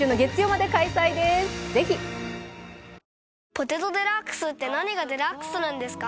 「ポテトデラックス」って何がデラックスなんですか？